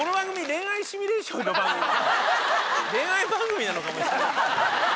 恋愛番組なのかも。